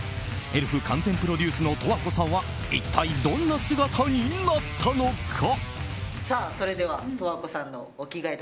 エルフ完全プロデュースの十和子さんは一体、どんな姿になったのか。